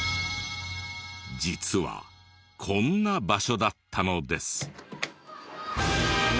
実はこんな場所だったのです。